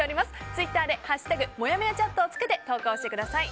ツイッターで「＃もやもやチャット」をつけて投稿してください。